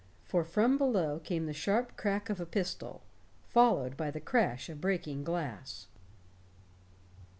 For from below came the sharp crack of a pistol, followed by the crash of breaking glass.